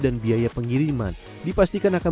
dan biaya pengiriman dipastikan akan